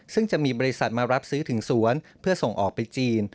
ซึ่งจะมีบริษัทมารับซื้อถึงสวนเพื่อส่งออกไปจีน